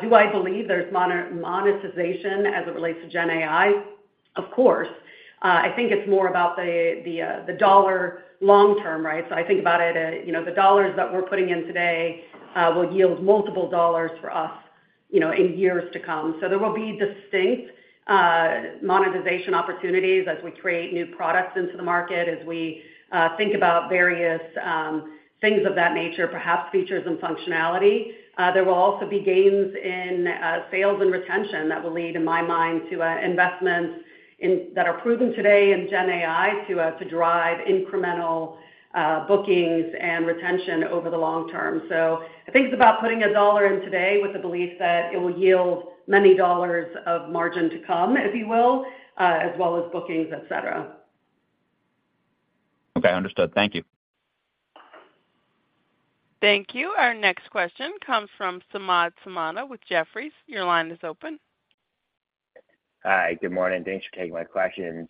do I believe there's monetization as it relates to GenAI? Of course. I think it's more about the dollar long term, right? So I think about it, you know, the dollars that we're putting in today will yield multiple dollars for us, you know, in years to come. So there will be distinct monetization opportunities as we create new products into the market, as we think about various things of that nature, perhaps features and functionality. There will also be gains in sales and retention that will lead, in my mind, to investments in- that are proven today in GenAI to drive incremental bookings and retention over the long term. So I think it's about putting a dollar in today with the belief that it will yield many dollars of margin to come, if you will, as well as bookings, et cetera. Okay, understood. Thank you. Thank you. Our next question comes from Samad Samana with Jefferies. Your line is open. Hi, good morning. Thanks for taking my questions.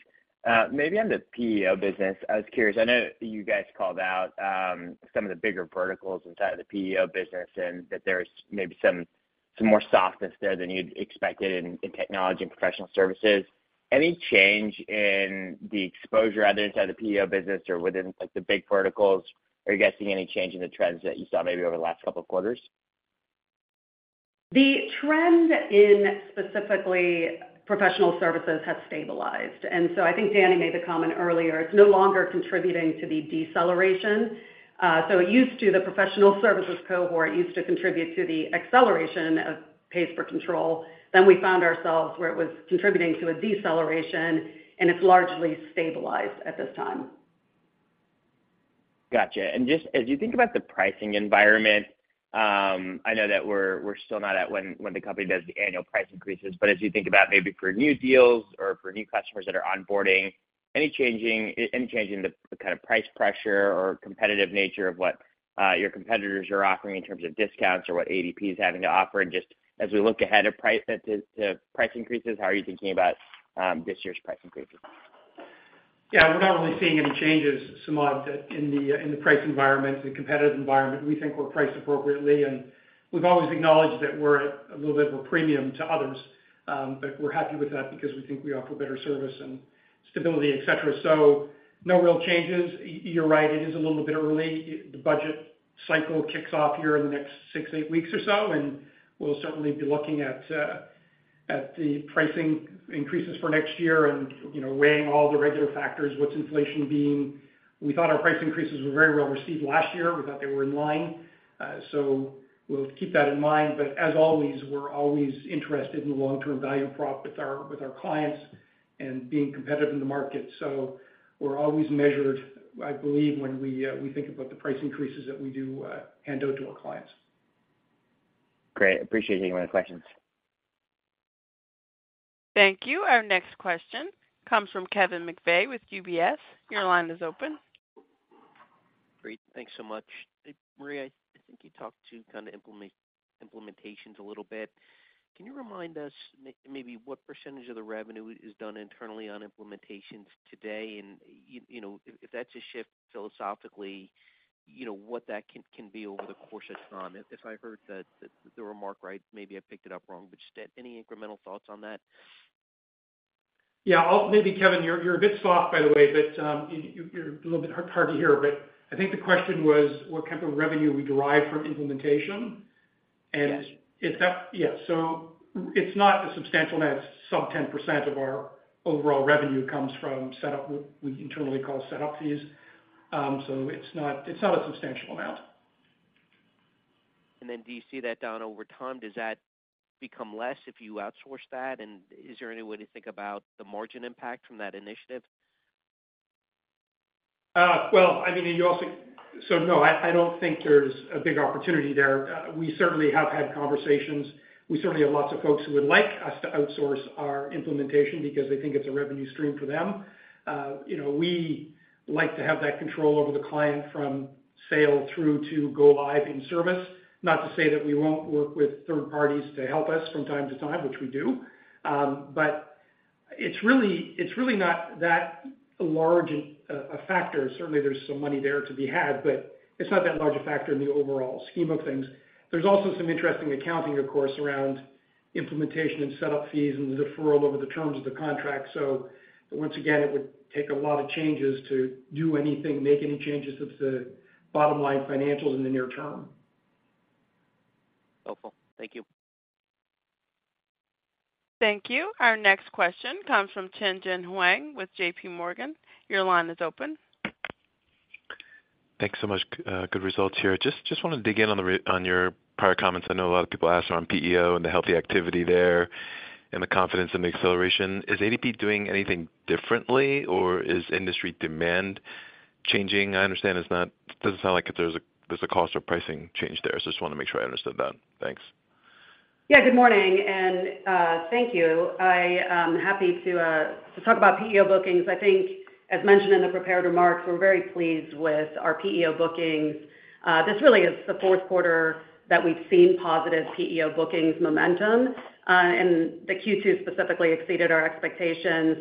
Maybe on the PEO business, I was curious. I know you guys called out some of the bigger verticals inside of the PEO business and that there's maybe some more softness there than you'd expected in technology and professional services. ... Any change in the exposure either inside the PEO business or within, like, the big verticals? Are you guys seeing any change in the trends that you saw maybe over the last couple of quarters? The trend in specifically professional services has stabilized, and so I think Danny made the comment earlier, it's no longer contributing to the deceleration. So it used to, the professional services cohort used to contribute to the acceleration of pace for control. Then we found ourselves where it was contributing to a deceleration, and it's largely stabilized at this time. Gotcha. And just as you think about the pricing environment, I know that we're still not at when the company does the annual price increases, but as you think about maybe for new deals or for new customers that are onboarding, any change in the kind of price pressure or competitive nature of what your competitors are offering in terms of discounts or what ADP is having to offer? And just as we look ahead to price-to-price increases, how are you thinking about this year's price increases? Yeah, we're not really seeing any changes, Samad, in the price environment, the competitive environment. We think we're priced appropriately, and we've always acknowledged that we're at a little bit of a premium to others, but we're happy with that because we think we offer better service and stability, et cetera. So no real changes. You're right, it is a little bit early. The budget cycle kicks off here in the next six, eight weeks or so, and we'll certainly be looking at the pricing increases for next year and, you know, weighing all the regular factors, what's inflation being. We thought our price increases were very well received last year. We thought they were in line, so we'll keep that in mind. But as always, we're always interested in the long-term value prop with our, with our clients and being competitive in the market. So we're always measured, I believe, when we, we think about the price increases that we do, hand out to our clients. Great. Appreciate taking my questions. Thank you. Our next question comes from Kevin McVeigh with UBS. Your line is open. Great. Thanks so much. Hey, Maria, I think you talked to kind of implementations a little bit. Can you remind us maybe what percentage of the revenue is done internally on implementations today? And, you know, if that's a shift philosophically, you know, what that can be over the course of time? If I heard that remark right, maybe I picked it up wrong, but just any incremental thoughts on that? Yeah. I'll maybe, Kevin, you're a bit soft, by the way, but, you're a little bit hard to hear. But I think the question was, what type of revenue we derive from implementation? Yes. It's up... Yeah, so it's not a substantial amount. Sub 10% of our overall revenue comes from setup, we internally call setup fees. So it's not, it's not a substantial amount. And then do you see that down over time? Does that become less if you outsource that? And is there any way to think about the margin impact from that initiative? Well, I mean, so no, I don't think there's a big opportunity there. We certainly have had conversations. We certainly have lots of folks who would like us to outsource our implementation because they think it's a revenue stream for them. You know, we like to have that control over the client from sale through to go live in service. Not to say that we won't work with third parties to help us from time to time, which we do. But it's really, it's really not that large a factor. Certainly, there's some money there to be had, but it's not that large a factor in the overall scheme of things. There's also some interesting accounting, of course, around implementation and setup fees and the deferral over the terms of the contract. Once again, it would take a lot of changes to do anything, make any changes to the bottom line financials in the near term. Helpful. Thank you. Thank you. Our next question comes from Tien-Tsin Huang with JPMorgan. Your line is open. Thanks so much. Good results here. Just, just want to dig in on the on your prior comments. I know a lot of people asked around PEO and the healthy activity there and the confidence in the acceleration. Is ADP doing anything differently, or is industry demand changing? I understand it's not-- doesn't sound like if there's a, there's a cost or pricing change there. So just want to make sure I understood that. Thanks. Yeah, good morning, and, thank you. I, happy to, to talk about PEO bookings. I think as mentioned in the prepared remarks, we're very pleased with our PEO bookings. This really is the fourth quarter that we've seen positive PEO bookings momentum, and the Q2 specifically exceeded our expectations.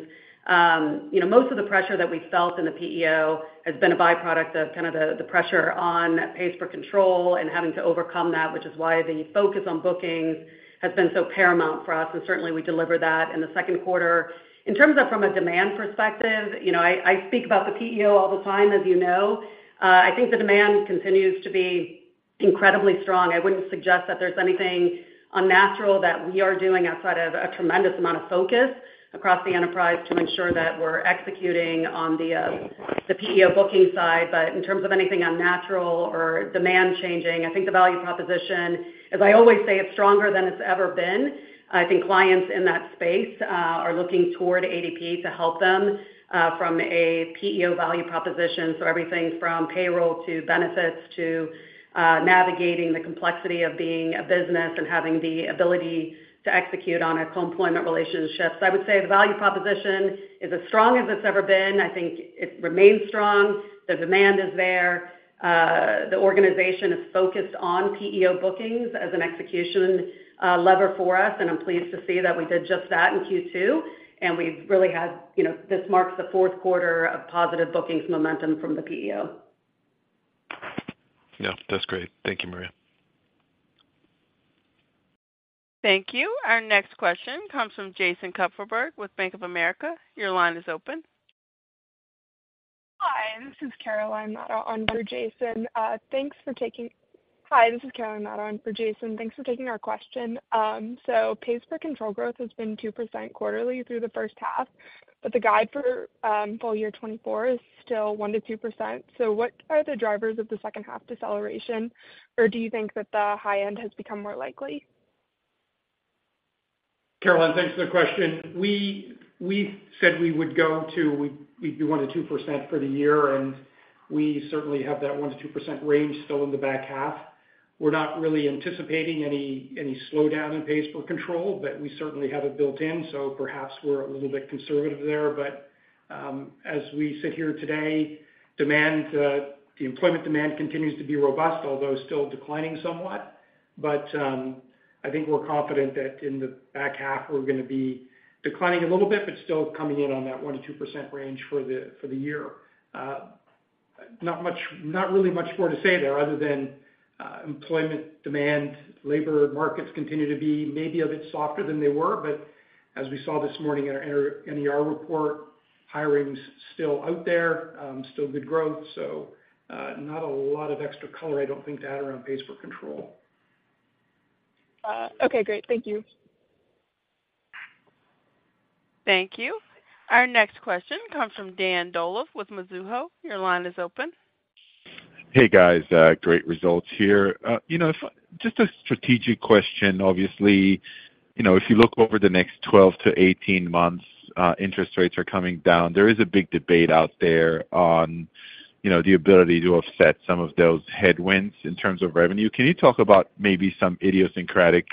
You know, most of the pressure that we felt in the PEO has been a byproduct of kind of the pressure on pays per control and having to overcome that, which is why the focus on bookings has been so paramount for us, and certainly we delivered that in the second quarter. In terms of from a demand perspective, you know, I speak about the PEO all the time, as you know. I think the demand continues to be incredibly strong. I wouldn't suggest that there's anything unnatural that we are doing outside of a tremendous amount of focus across the enterprise to ensure that we're executing on the PEO booking side. But in terms of anything unnatural or demand changing, I think the value proposition, as I always say, it's stronger than it's ever been. I think clients in that space are looking toward ADP to help them from a PEO value proposition. So everything from payroll, to benefits, to navigating the complexity of being a business and having the ability to execute on a co-employment relationship. So I would say the value proposition is as strong as it's ever been. I think it remains strong. The demand is there. The organization is focused on PEO bookings as an execution lever for us, and I'm pleased to see that we did just that in Q2, and we've really had, you know, this marks the fourth quarter of positive bookings momentum from the PEO. Yeah, that's great. Thank you, Maria. Thank you. Our next question comes from Jason Kupferberg with Bank of America. Your line is open. Hi, this is Caroline Latta on for Jason. Thanks for taking our question. So pace for control growth has been 2% quarterly through the first half, but the guide for full year 2024 is still 1%-2%. So what are the drivers of the second half deceleration, or do you think that the high end has become more likely? Caroline, thanks for the question. We said we would be 1%-2% for the year, and we certainly have that 1%-2% range still in the back half. We're not really anticipating any slowdown in pace for pays per control, but we certainly have it built in, so perhaps we're a little bit conservative there. But as we sit here today, demand, the employment demand continues to be robust, although still declining somewhat. But I think we're confident that in the back half, we're gonna be declining a little bit, but still coming in on that 1%-2% range for the year. Not much, not really much more to say there other than, employment demand, labor markets continue to be maybe a bit softer than they were, but as we saw this morning in our NER report, hiring's still out there, still good growth. So, not a lot of extra color, I don't think, to add around pays per control. Okay, great. Thank you. Thank you. Our next question comes from Dan Dolev with Mizuho. Your line is open. Hey, guys, great results here. You know, just a strategic question. Obviously, you know, if you look over the next 12-18 months, interest rates are coming down. There is a big debate out there on, you know, the ability to offset some of those headwinds in terms of revenue. Can you talk about maybe some idiosyncratic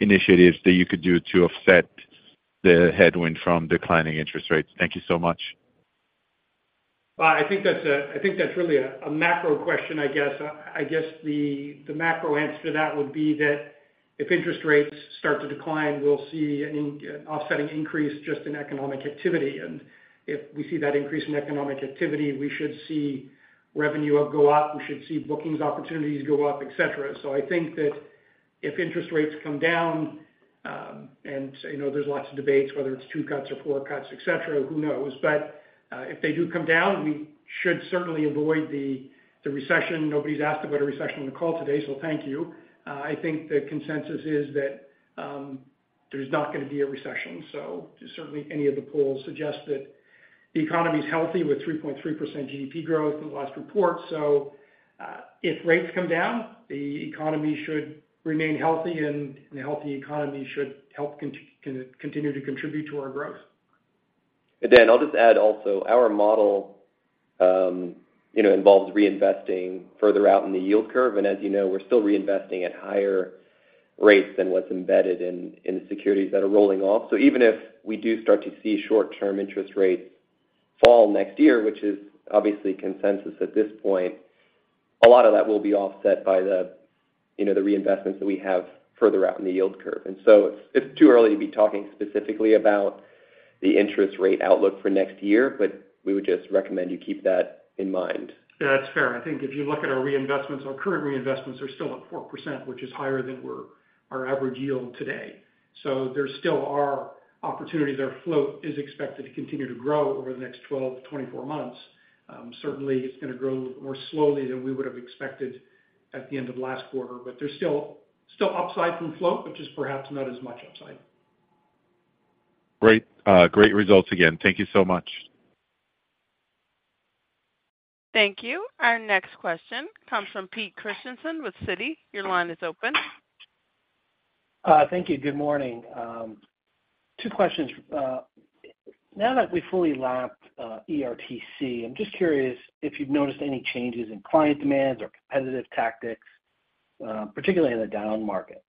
initiatives that you could do to offset the headwind from declining interest rates? Thank you so much. Well, I think that's really a macro question, I guess. I guess the macro answer to that would be that if interest rates start to decline, we'll see an offsetting increase just in economic activity. And if we see that increase in economic activity, we should see revenue go up, we should see bookings, opportunities go up, et cetera. So I think that if interest rates come down, and you know, there's lots of debates, whether it's two cuts or four cuts, et cetera, who knows? But, if they do come down, we should certainly avoid the recession. Nobody's asked about a recession on the call today, so thank you. I think the consensus is that, there's not gonna be a recession, so certainly any of the polls suggest that the economy is healthy with 3.3% GDP growth in the last report. So, if rates come down, the economy should remain healthy, and a healthy economy should help continue to contribute to our growth. And then I'll just add also, our model, you know, involves reinvesting further out in the yield curve, and as you know, we're still reinvesting at higher rates than what's embedded in, in the securities that are rolling off. So even if we do start to see short-term interest rates fall next year, which is obviously consensus at this point, a lot of that will be offset by the, you know, the reinvestments that we have further out in the yield curve. And so it's, it's too early to be talking specifically about the interest rate outlook for next year, but we would just recommend you keep that in mind. That's fair. I think if you look at our reinvestments, our current reinvestments are still at 4%, which is higher than our average yield today. So there still are opportunities there. Float is expected to continue to grow over the next 12-24 months. Certainly, it's gonna grow more slowly than we would have expected at the end of last quarter, but there's still, still upside from float, which is perhaps not as much upside. Great. Great results again. Thank you so much. Thank you. Our next question comes from Pete Christiansen with Citi. Your line is open. Thank you. Good morning. Two questions. Now that we fully lapped ERTC, I'm just curious if you've noticed any changes in client demands or competitive tactics, particularly in the down market?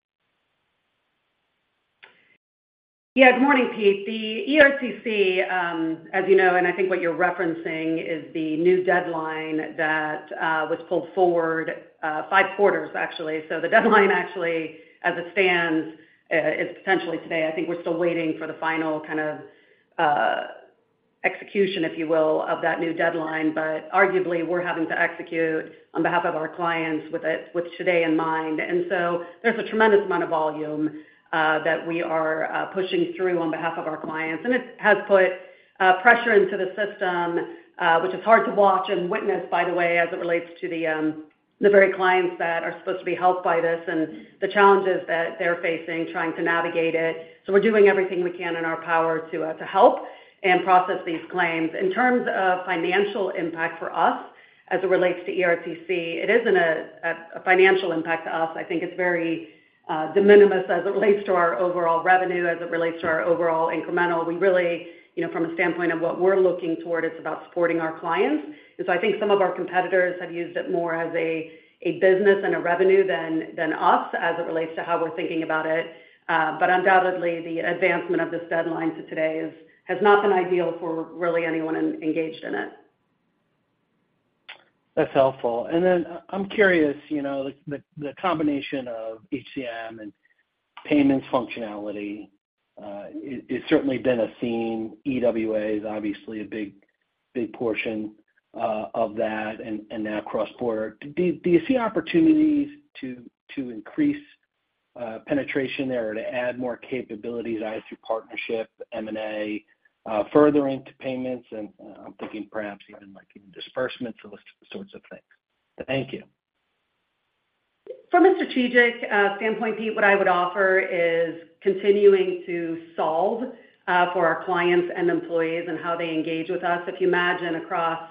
Yeah, good morning, Pete. The ERTC, as you know, and I think what you're referencing, is the new deadline that was pulled forward five quarters, actually. So the deadline actually, as it stands, is potentially today. I think we're still waiting for the final kind of execution, if you will, of that new deadline. But arguably, we're having to execute on behalf of our clients with it, with today in mind. And so there's a tremendous amount of volume that we are pushing through on behalf of our clients. And it has put pressure into the system, which is hard to watch and witness, by the way, as it relates to the very clients that are supposed to be helped by this and the challenges that they're facing, trying to navigate it. So we're doing everything we can in our power to help and process these claims. In terms of financial impact for us, as it relates to ERTC, it isn't a financial impact to us. I think it's very de minimis as it relates to our overall revenue, as it relates to our overall incremental. We really, you know, from a standpoint of what we're looking toward, it's about supporting our clients. And so I think some of our competitors have used it more as a business and a revenue than us, as it relates to how we're thinking about it. But undoubtedly, the advancement of this deadline to today has not been ideal for really anyone engaged in it. That's helpful. And then I'm curious, you know, the combination of HCM and payments functionality, it's certainly been a scene. EWA is obviously a big...... big portion of that and now cross-border. Do you see opportunities to increase penetration there or to add more capabilities, either through partnership, M&A, further into payments? And I'm thinking perhaps even like disbursements, those sorts of things. Thank you. From a strategic standpoint, Pete, what I would offer is continuing to solve for our clients and employees and how they engage with us. If you imagine across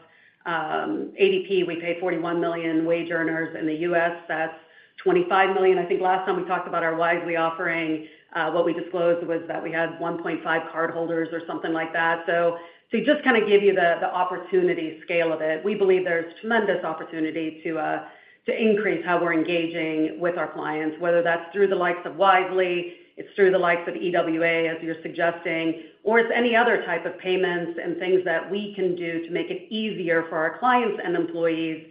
ADP, we pay 41 million wage earners. In the U.S., that's 25 million. I think last time we talked about our Wisely offering, what we disclosed was that we had 1.5 cardholders or something like that. So to just kind of give you the opportunity scale of it, we believe there's tremendous opportunity to increase how we're engaging with our clients, whether that's through the likes of Wisely, it's through the likes of EWA, as you're suggesting, or it's any other type of payments and things that we can do to make it easier for our clients and employees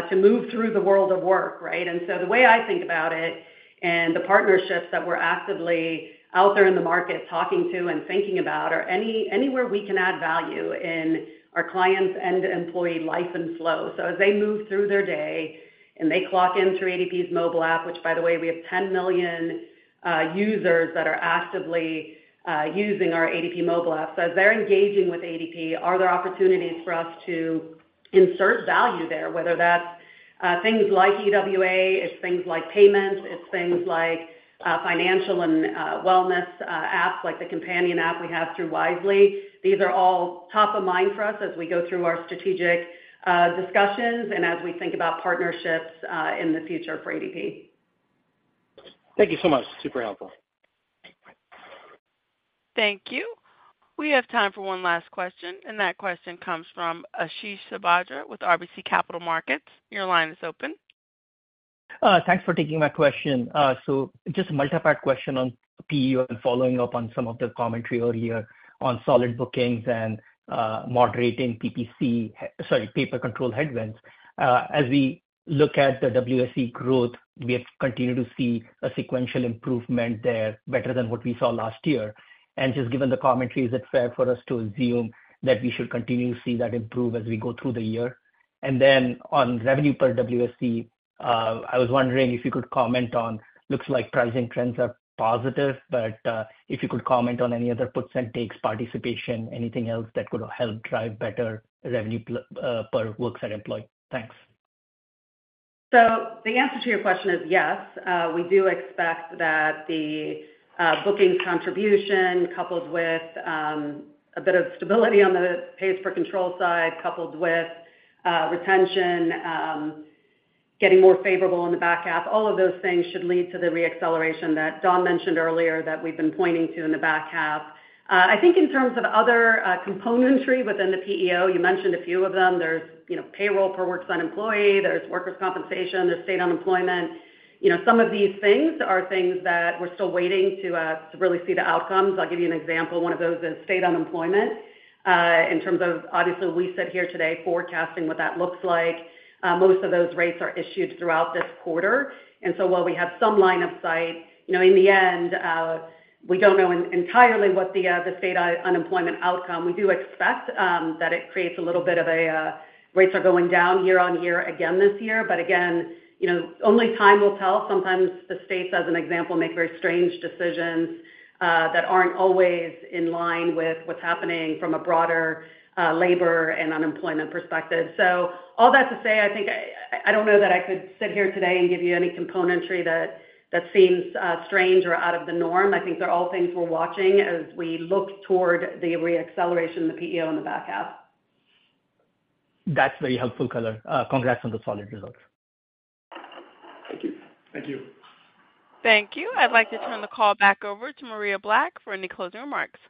to move through the world of work, right? And so the way I think about it, and the partnerships that we're actively out there in the market talking to and thinking about, are anywhere we can add value in our clients' and employee life and flow. So as they move through their day and they clock in through ADP's Mobile App, which by the way, we have 10 million users that are actively using our ADP Mobile App. So as they're engaging with ADP, are there opportunities for us to insert value there, whether that's things like EWA, it's things like payments, it's things like financial and wellness apps, like the companion app we have through Wisely. These are all top of mind for us as we go through our strategic discussions and as we think about partnerships in the future for ADP. Thank you so much. Super helpful. Thank you. We have time for one last question, and that question comes from Ashish Sabadra with RBC Capital Markets. Your line is open. Thanks for taking my question. So just a multi-part question on PEO and following up on some of the commentary earlier on solid bookings and moderating PPC, sorry, pays per control headwinds. As we look at the WSE growth, we have continued to see a sequential improvement there, better than what we saw last year. And just given the commentary, is it fair for us to assume that we should continue to see that improve as we go through the year? And then on revenue per WSE, I was wondering if you could comment on, looks like pricing trends are positive, but if you could comment on any other puts and takes, participation, anything else that could help drive better revenue per worksite employee. Thanks. So the answer to your question is yes. We do expect that the bookings contribution, coupled with a bit of stability on the pays per control side, coupled with retention getting more favorable in the back half, all of those things should lead to the re-acceleration that Don mentioned earlier, that we've been pointing to in the back half. I think in terms of other components within the PEO, you mentioned a few of them. There's, you know, payroll per worksite employee, there's workers' compensation, there's state unemployment. You know, some of these things are things that we're still waiting to to really see the outcomes. I'll give you an example. One of those is state unemployment. In terms of obviously, we sit here today forecasting what that looks like. Most of those rates are issued throughout this quarter, and so while we have some line of sight, you know, in the end, we don't know entirely what the state unemployment outcome. We do expect that it creates a little bit of a rates are going down year-over-year again this year. But again, you know, only time will tell. Sometimes the states, as an example, make very strange decisions that aren't always in line with what's happening from a broader labor and unemployment perspective. So all that to say, I think I don't know that I could sit here today and give you any componentry that seems strange or out of the norm. I think they're all things we're watching as we look toward the re-acceleration, the PEO in the back half. That's very helpful, color. Congrats on the solid results. Thank you. Thank you. Thank you. I'd like to turn the call back over to Maria Black for any closing remarks.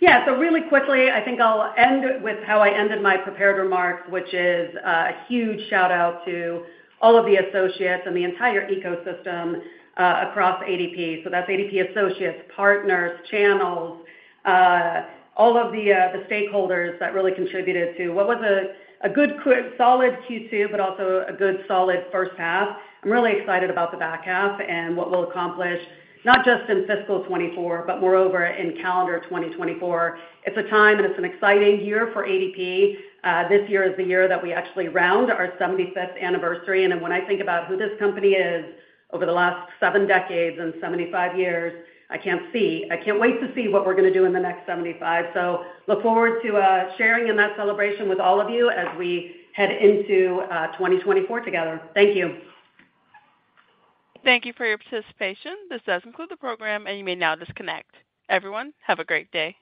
Yeah, so really quickly, I think I'll end with how I ended my prepared remarks, which is a huge shout-out to all of the associates and the entire ecosystem across ADP. So that's ADP associates, partners, channels, all of the, the stakeholders that really contributed to what was a solid Q2, but also a good, solid first half. I'm really excited about the back half and what we'll accomplish, not just in fiscal 2024, but moreover, in calendar 2024. It's a time and it's an exciting year for ADP. This year is the year that we actually round our 75th anniversary, and when I think about who this company is over the last seven decades and 75 years, I can't wait to see what we're going to do in the next 75. So, look forward to sharing in that celebration with all of you as we head into 2024 together. Thank you. Thank you for your participation. This does conclude the program, and you may now disconnect. Everyone, have a great day.